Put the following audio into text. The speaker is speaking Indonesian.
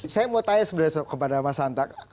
saya mau tanya sebenarnya kepada mas santa